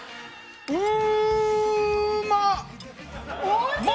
うまっ！